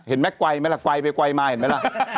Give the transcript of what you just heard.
เห็นแม็กกวายไม่ร้ะกว่ายไปกวายมาเห็นมั้ย